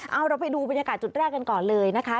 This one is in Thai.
เอาเราไปดูบรรยากาศจุดแรกกันก่อนเลยนะคะ